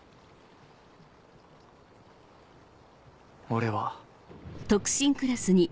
俺は。